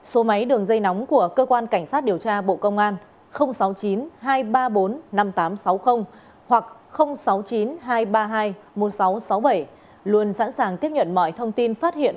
số máy đường dây nóng của cơ quan cảnh sát điều tra bộ công an sáu mươi chín hai trăm ba mươi bốn năm nghìn tám trăm sáu mươi hoặc sáu mươi chín hai trăm ba mươi hai một nghìn sáu trăm sáu mươi bảy luôn sẵn sàng tiếp nhận mọi thông tin phát hiện